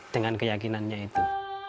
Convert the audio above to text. dengan keyakinannya itu